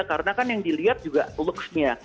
karena kan yang dilihat juga luxnya